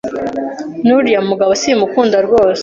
n’ uriya mugabo simukunda rwose